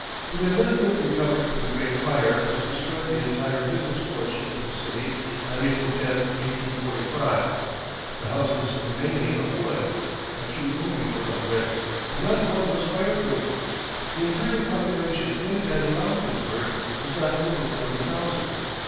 It had not yet recovered from the great fire which destroyed the entire business portion of the city on April 10, 1845. The houses were mainly of wood, a few only were of brick, and not one was fire proof. The entire population in and around Pittsburgh was not over forty thousand.